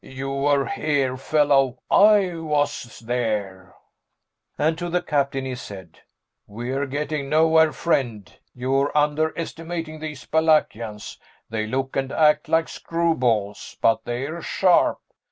"You were here, fellow I was there." And to the captain he said, "We're getting nowhere, friend. You're underestimating these Balakians they look and act like screwballs, but they're sharp.